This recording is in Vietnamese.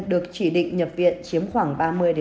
được chỉ định nhập viện chiếm khoảng